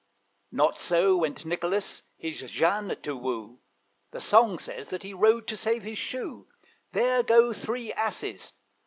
Not so went Nicolas his Jeanne to woo; The song says that he rode to save his shoe. There go three asses.'